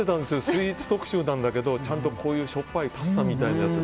スイーツ特集なんだけどちゃんとこういうしょっぱいパスタみたいなやつ。